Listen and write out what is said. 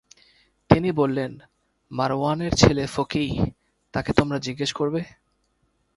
তিনি বললেন,“মারওয়ানের ছেলে ফকীহ, তাঁকে তোমরা জিজ্ঞেস করবে।